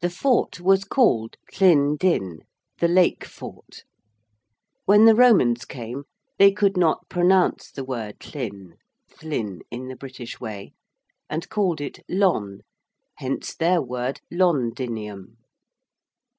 The fort was called Llyn din the Lake Fort. When the Romans came they could not pronounce the word Llyn Thlin in the British way and called it Lon hence their word Londinium.